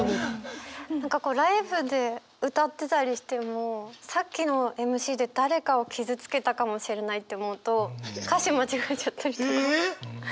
何かこうライブで歌ってたりしてもさっきのＭＣで誰かを傷つけたかもしれないと思うと歌詞間違えちゃったりとか。